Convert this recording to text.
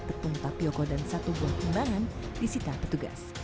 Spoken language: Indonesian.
tepung tapioca dan satu buah kembangan disita petugas